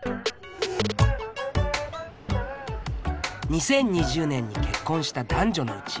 ２０２０年に結婚した男女のうち